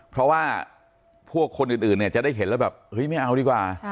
เพราะว่าพวกคนอื่นเนี่ยจะได้เห็นแล้วแบบเฮ้ยไม่เอาดีกว่า